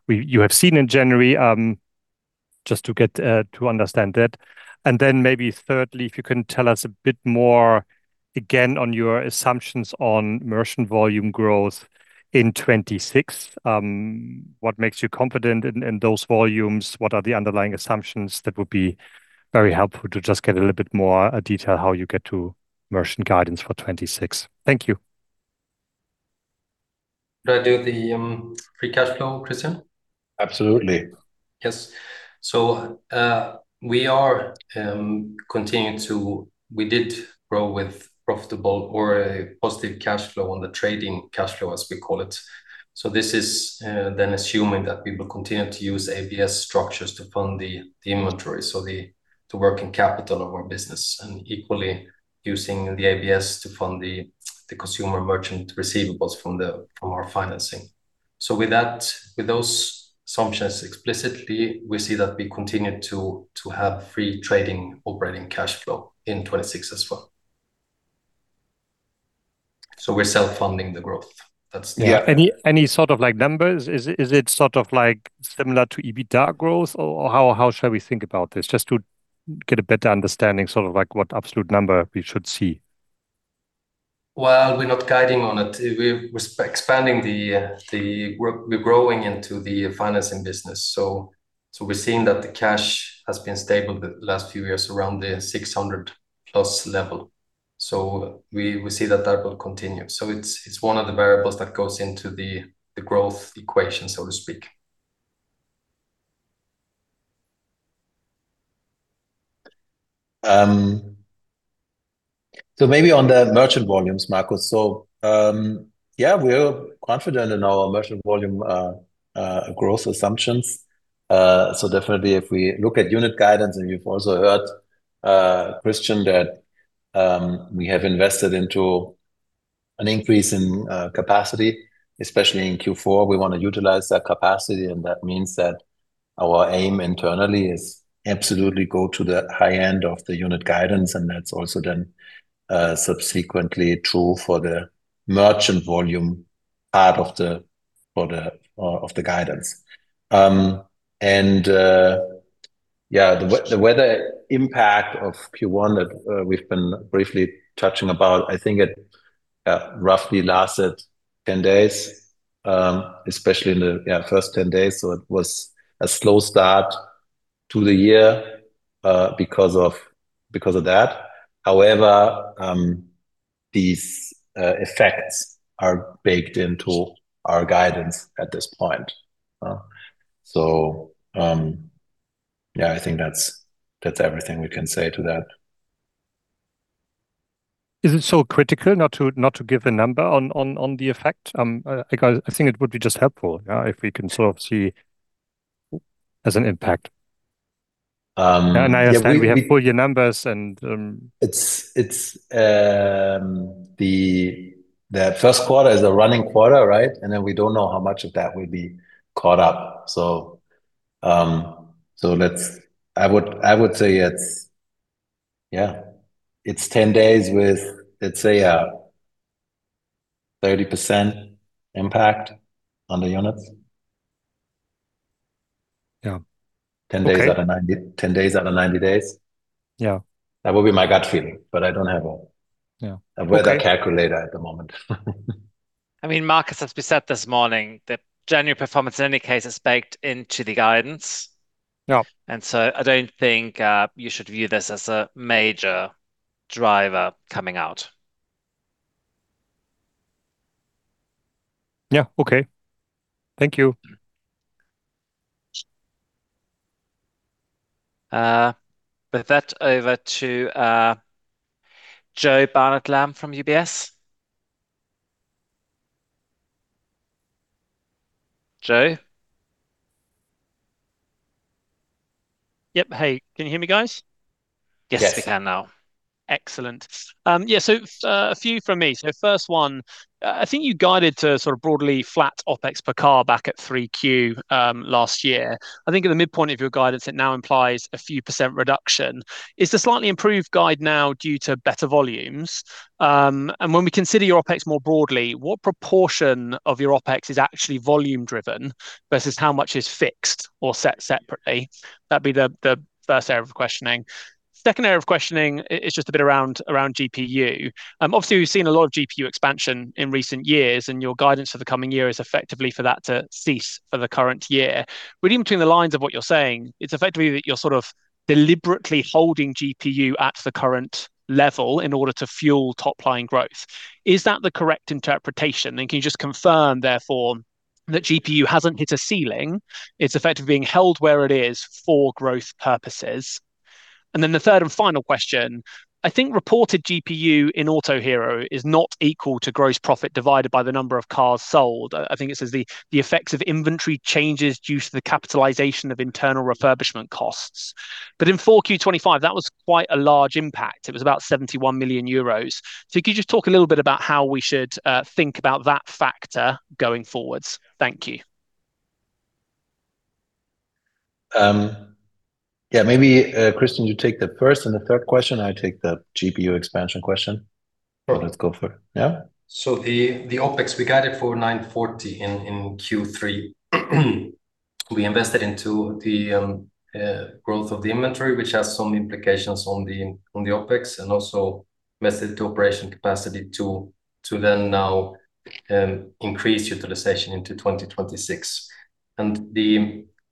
you have seen in January, just to get to understand that. Then maybe thirdly, if you can tell us a bit more again on your assumptions on Merchant volume growth in 2026. What makes you confident in those volumes? What are the underlying assumptions? That would be very helpful to just get a little bit more detail how you get to merchant guidance for 2026. Thank you. Should I do the, free cash flow, Christian? Absolutely. Yes. We did grow with profitable or a positive cash flow on the trading cash flow, as we call it. This is assuming that we will continue to use ABS structures to fund the inventory, so the working capital of our business, and equally using the ABS to fund the consumer merchant receivables from our financing. With that, with those assumptions explicitly, we see that we continue to have free trading operating cash flow in 2026 as well. We're self-funding the growth. Yeah. Any sort of like numbers? Is it sort of like similar to EBITDA growth, or how should we think about this? Just to get a better understanding, sort of like what absolute number we should see. We're not guiding on it. We're growing into the financing business. We're seeing that the cash has been stable the last few years around the 600+ level. We see that that will continue. It's one of the variables that goes into the growth equation, so to speak. Maybe on the Merchant volumes, Marcus. Yeah, we're confident in our merchant volume growth assumptions. Definitely if we look at unit guidance, and you've also heard Christian, that we have invested into an increase in capacity, especially in Q4, we want to utilize that capacity, and that means that our aim internally is absolutely go to the high end of the unit guidance, and that's also then subsequently true for the merchant volume part of the guidance. Yeah, the weather impact of Q1 that we've been briefly touching about, I think it roughly lasted 10 days, especially in the, yeah, first 10 days. It was a slow start to the year because of that. These effects are baked into our guidance at this point. Yeah, I think that's everything we can say to that. Is it so critical not to give a number on the effect? I think it would be just helpful, if we can sort of see as an impact. Yeah, we. I understand we have full year numbers. It's—the first quarter is a running quarter, right? We don't know how much of that will be caught up. Let's, I would say it's, yeah, it's 10 days with, let's say a 30% impact on the units. Yeah. Okay. 10 days out of 90, 10 days out of 90 days. Yeah. That would be my gut feeling, but I don't have a weather calculator at the moment. I mean, Marcus, as we said this morning, the January performance, in any case, is baked into the guidance. Yeah. I don't think you should view this as a major driver coming out. Yeah. Okay. Thank you. With that, over to Jo Barnet-Lamb from UBS. Jo? Yep. Hey, can you hear me, guys? Yes, we can now. Yes. Excellent. yeah, a few from me. First one, I think you guided to sort of broadly flat OpEx per car back at 3Q last year. I think at the midpoint of your guidance, it now implies a few percent reduction. Is the slightly improved guide now due to better volumes? When we consider your OpEx more broadly, what proportion of your OpEx is actually volume driven versus how much is fixed or set separately? That'd be the first area of questioning. Second area of questioning is just a bit around GPU. Obviously, we've seen a lot of GPU expansion in recent years, and your guidance for the coming year is effectively for that to cease for the current year. Reading between the lines of what you're saying, it's effectively that you're sort of deliberately holding GPU at the current level in order to fuel top-line growth. Is that the correct interpretation? Can you just confirm, therefore, that GPU hasn't hit a ceiling, it's effectively being held where it is for growth purposes? The third and final question: I think reported GPU in Autohero is not equal to gross profit divided by the number of cars sold. I think it says the effects of inventory changes due to the capitalization of internal refurbishment costs. In 4Q 2025, that was quite a large impact. It was about 71 million euros. Could you just talk a little bit about how we should think about that factor going forwards? Thank you. Yeah, maybe Christian, you take the first and the third question, I take the GPU expansion question. Sure. Let's go for it. Yeah? The OpEx, we got it for 940 in Q3. We invested into the growth of the inventory, which has some implications on the OpEx, and also invested to operation capacity to then now increase utilization into 2026.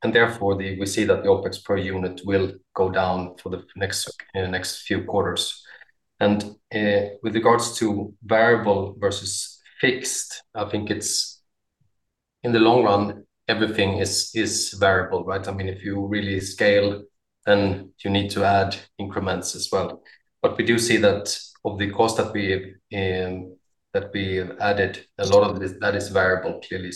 Therefore, we see that the OpEx per unit will go down for the next few quarters. With regards to variable versus fixed, I think it's—in the long run, everything is variable, right? I mean, if you really scale, then you need to add increments as well. We do see that of the cost that we have added, a lot of it, that is variable, clearly.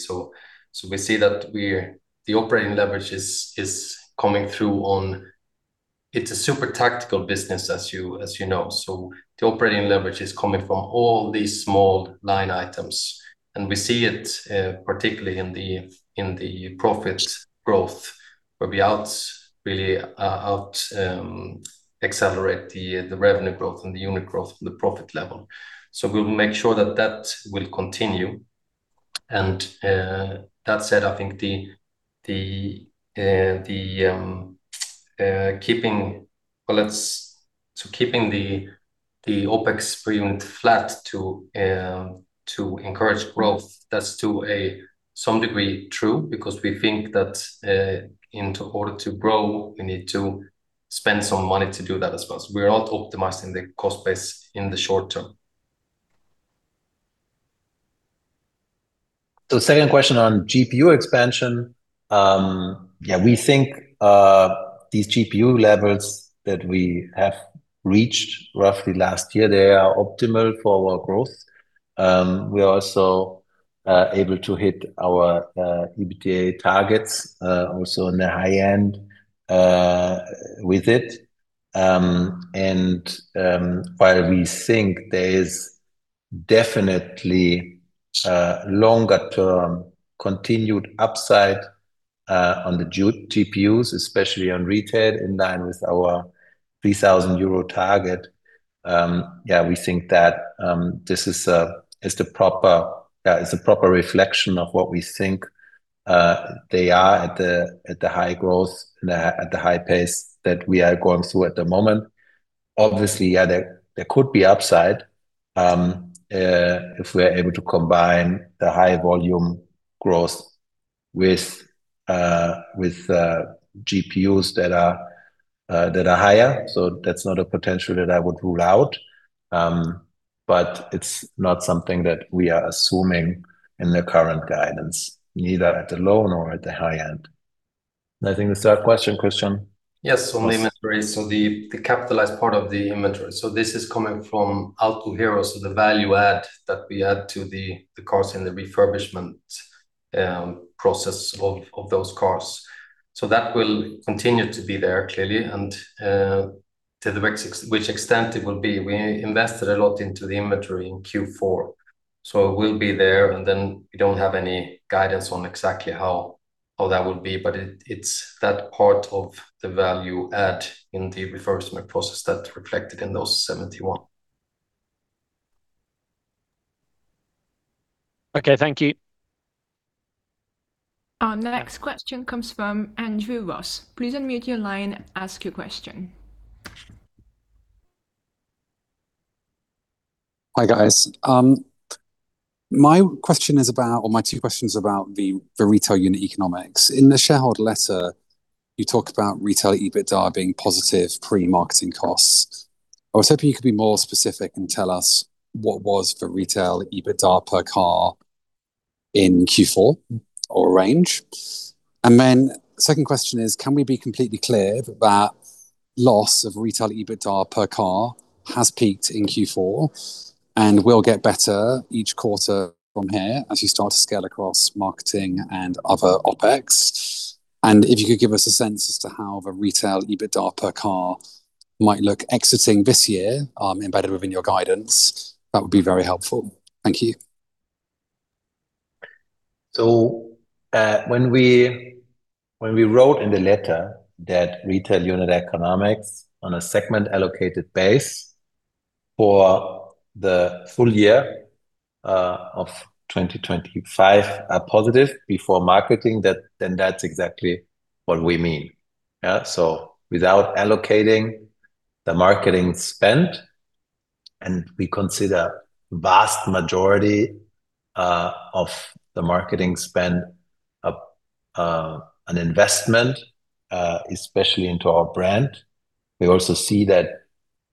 We see that the operating leverage is coming through on—it's a super tactical business, as you know, so the operating leverage is coming from all these small line items. We see it particularly in the profit growth, where we out, really, out accelerate the revenue growth and the unit growth from the profit level. We'll make sure that that will continue. That said, I think the keeping, well, so keeping the OpEx per unit flat to encourage growth, that's to a some degree true, because we think that in order to grow, we need to spend some money to do that as well. We're not optimizing the cost base in the short term. Second question on GPU expansion. Yeah, we think these GPU levels that we have reached roughly last year, they are optimal for our growth. We are also able to hit our EBITDA targets also in the high end with it. While we think there is definitely longer term continued upside on the GPUs, especially on Retail, in line with our 3,000 euro target, yeah, we think that this is a proper reflection of what we think they are at the high growth and at the high pace that we are going through at the moment. Obviously, yeah, there could be upside if we're able to combine the high volume growth with GPUs that are higher. That's not a potential that I would rule out, but it's not something that we are assuming in the current guidance, neither at the low nor at the high end. I think the third question, Christian? Yes, on the inventory, the capitalized part of the inventory. This is coming from Autohero, the value add that we add to the cars in the refurbishment process of those cars. That will continue to be there, clearly, and to which extent it will be—we invested a lot into the inventory in Q4, it will be there, we don't have any guidance on exactly how that will be, but it's that part of the value add in the refurbishment process that's reflected in those 71. Okay, thank you. Our next question comes from Andrew Ross. Please unmute your line and ask your question. Hi, guys. My two questions are about the Retail unit economics. In the shareholder letter, you talked about Retail EBITDA being positive pre-marketing costs. I was hoping you could be more specific and tell us what was the Retail EBITDA per car in Q4 or range? Second question is, can we be completely clear that loss of retail EBITDA per car has peaked in Q4 and will get better each quarter from here as you start to scale across marketing and other OpEx? If you could give us a sense as to how the Retail EBITDA per car might look exiting this year, embedded within your guidance, that would be very helpful. Thank you. When we wrote in the letter that Retail unit economics on a segment allocated for the full year of 2025 are positive before marketing, that's exactly what we mean. Without allocating the marketing spend, and we consider vast majority of the marketing spend an investment especially into our brand. We also see that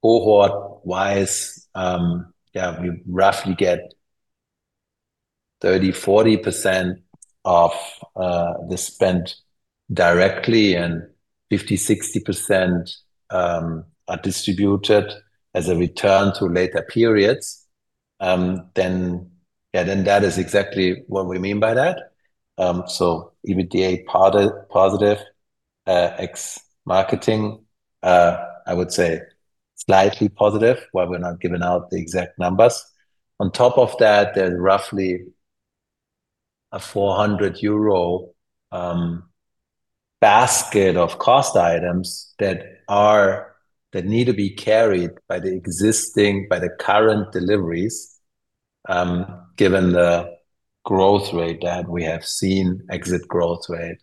cohort-wise, we roughly get 30%-40% of the spend directly, and 50%-60% are distributed as a return to later periods. That is exactly what we mean by that. EBITDA positive, ex marketing, I would say slightly positive, why we're not giving out the exact numbers? On top of that, there's roughly a 400 euro basket of cost items that need to be carried by the current deliveries, given the growth rate that we have seen, exit growth rate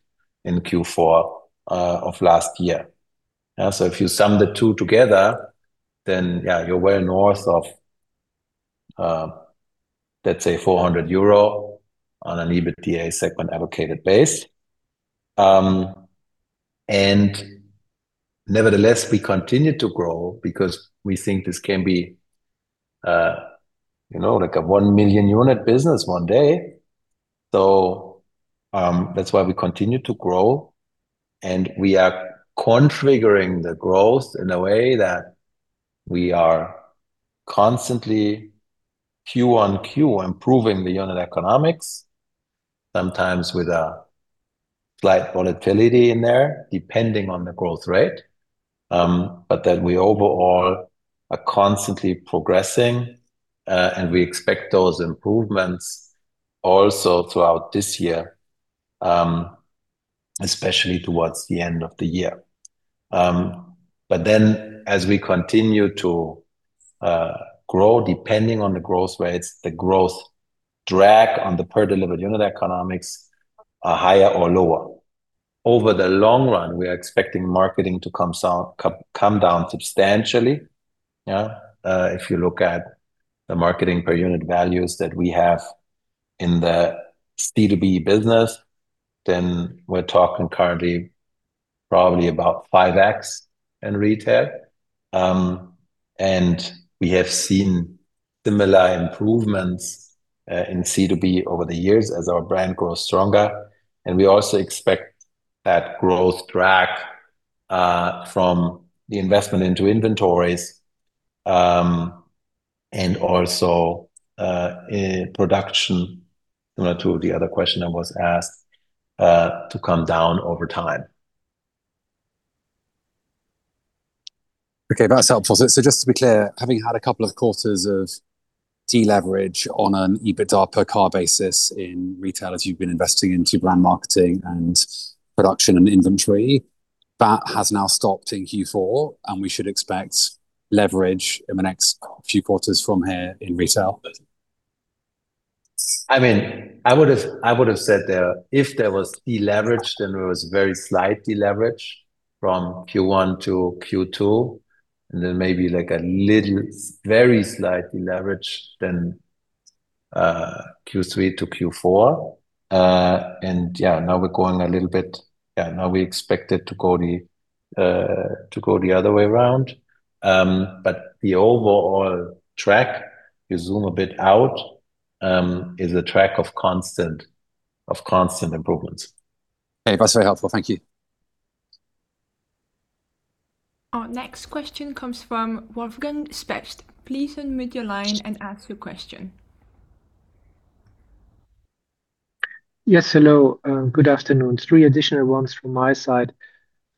in Q4 of last year. If you sum the two together, yeah, you're well north of, let's say 400 euro on an EBITDA segment allocated base. Nevertheless, we continue to grow because we think this can be, you know, like a one million unit business one day. That's why we continue to grow, we are configuring the growth in a way that we are constantly Q-on-Q improving the unit economics, sometimes with a slight volatility in there, depending on the growth rate. That we overall are constantly progressing, and we expect those improvements also throughout this year, especially towards the end of the year. As we continue to grow, depending on the growth rates, the growth drag on the per delivered unit economics are higher or lower. Over the long run, we are expecting marketing to come down substantially. Yeah. If you look at the marketing per unit values that we have in the C2B business, then we're talking currently probably about 5x in Retail. We have seen similar improvements in C2B over the years as our brand grows stronger, and we also expect that growth track from the investment into inventories, and also in production, you know, to the other question I was asked, to come down over time. Okay, that's helpful. Just to be clear, having had a couple of quarters of deleverage on an EBITDA per car basis in Retail, as you've been investing into brand marketing and production and inventory, that has now stopped in Q4, and we should expect leverage in the next few quarters from here in Retail? I mean, I would have said there, if there was deleverage, then there was very slight deleverage from Q1 to Q2, and then maybe like a little, very slight leverage than Q3 to Q4. Yeah, now we expect it to go the other way around. The overall track, you zoom a bit out, is a track of constant improvements. Okay. That's very helpful. Thank you. Our next question comes from Wolfgang Specht. Please unmute your line and ask your question. Yes, hello, good afternoon. Three additional ones from my side.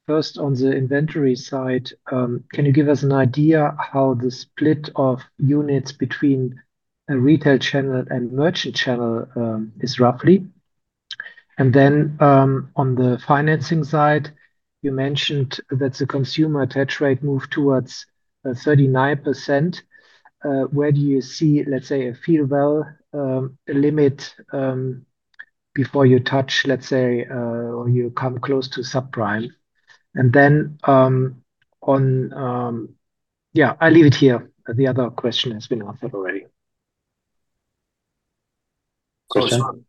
First, on the inventory side, can you give us an idea how the split of units between a Retail channel and Merchant channel is roughly? On the financing side, you mentioned that the consumer attach rate moved towards 39%. Where do you see, let's say, a feel well limit before you touch, let's say, or you come close to subprime? On—Yeah, I'll leave it here. The other question has been answered already.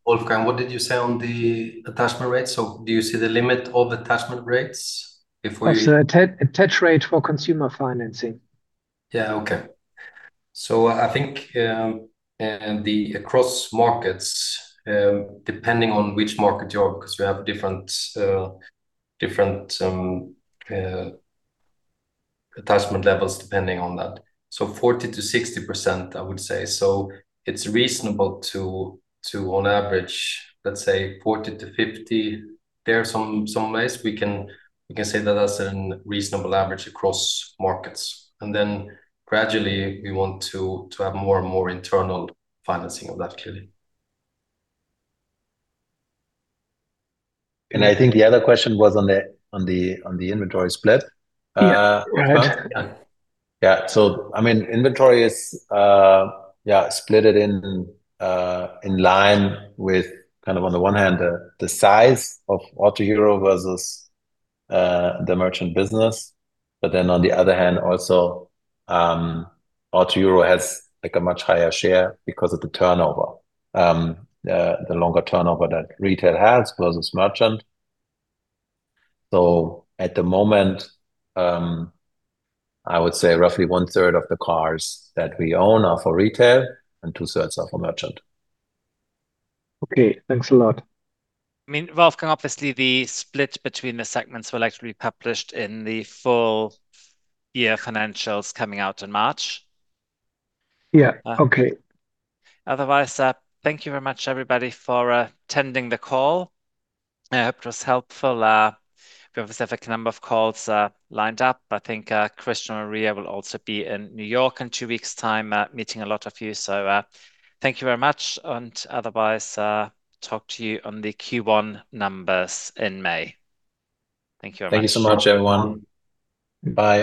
Wolfgang, what did you say on the attachment rate? Do you see the limit of attachment rates before you? That's attach rate for consumer financing. Yeah. Okay. I think the across markets, depending on which market you are, because we have different attachment levels, depending on that. 40%-60%, I would say. It's reasonable to on average, let's say 40%-50% there some ways we can say that that's an reasonable average across markets. Gradually, we want to have more and more internal financing of that clearly. I think the other question was on the inventory split. Yeah. Right. Yeah. I mean, inventory is, yeah, split it in line with kind of on the one hand, the size of Autohero versus the Merchant business. On the other hand, also, Autohero has like a much higher share because of the turnover, the longer turnover that Retail has versus Merchant. At the moment, I would say roughly 1/3 of the cars that we own are for Retail and 2/3 are for Merchant. Okay, thanks a lot. I mean, Wolfgang, obviously, the split between the segments will actually be published in the full year financials coming out in March. Yeah. Okay. Otherwise, thank you very much, everybody, for attending the call. I hope it was helpful. We have a specific number of calls lined up. I think Christian and Maria will also be in New York in two weeks time, meeting a lot of you. Thank you very much, and otherwise, talk to you on the Q1 numbers in May. Thank you very much. Thank you so much, everyone. Bye.